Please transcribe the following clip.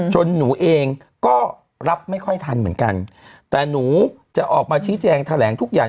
หนูเองก็รับไม่ค่อยทันเหมือนกันแต่หนูจะออกมาชี้แจงแถลงทุกอย่าง